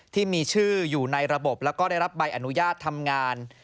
ที่มีชื่ออยู่ในระบบแล้วก็ได้รับใบอนุญาตทำงาน